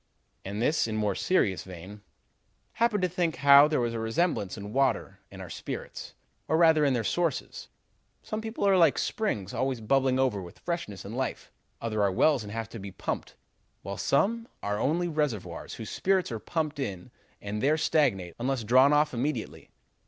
And this, in more serious vein: 'Happened to think how there was a resemblance in water and our spirits, or rather in their sources. Some people are like springs, always bubbling over with freshness and life; others are wells and have to be pumped; while some are only reservoirs whose spirits are pumped in and there stagnate unless drawn off immediately.